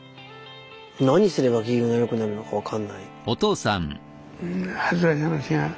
何すれば機嫌がよくなるのか分かんない。